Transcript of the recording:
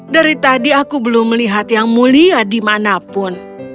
dari tadi aku belum melihat yang mulia dimanapun